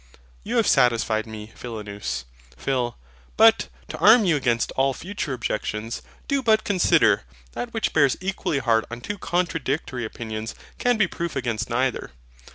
You have satisfied me, Philonous. PHIL. But, to arm you against all future objections, do but consider: That which bears equally hard on two contradictory opinions can be proof against neither.